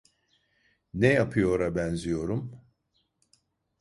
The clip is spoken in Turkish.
Ne yapıyora benziyorum?